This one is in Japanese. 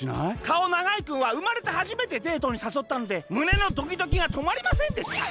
かおながいくんはうまれてはじめてデートにさそったのでむねのドキドキがとまりませんでした」。